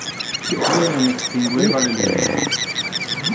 Io non extingueva le lumine.